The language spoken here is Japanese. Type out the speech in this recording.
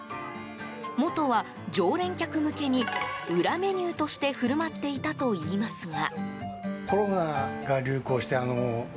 元は、常連客向けに裏メニューとして振る舞っていたといいますが。